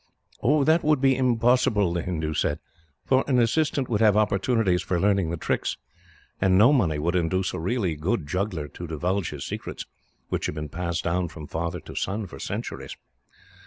"That would be impossible," the Hindoo said, "for an assistant would have opportunities for learning the tricks, and no money would induce a really good juggler to divulge his secrets, which have been passed down from father to son for centuries."